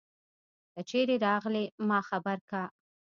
که چیری راغلي ما خبر که